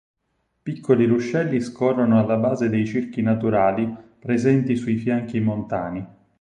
Piccoli ruscelli scorrono alla base dei circhi naturali presenti sui fianchi montani.